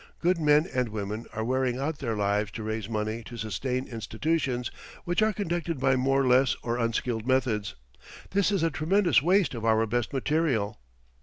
Good men and women are wearing out their lives to raise money to sustain institutions which are conducted by more less or unskilled methods. This is a tremendous waste of our best material.